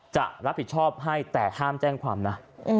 จะรับผิดชอบให้แต่ห้ามแจ้งความนะ